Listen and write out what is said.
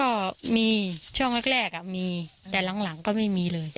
ก็มีช่วงแรกมีแต่หลังก็ไม่มีเลย